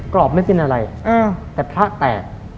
กรอบไม่เป็นอะไรแต่พระแตก